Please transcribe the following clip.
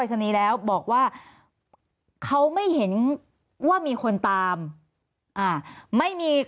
ครับครับ